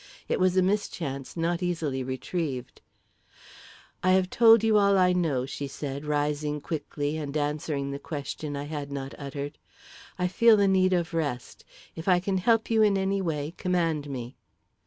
It was a mischance not easily retrieved. "I have told you all I know," she said, rising quickly, and answering the question I had not uttered. "I feel the need of rest. If I can help you in any way, command me."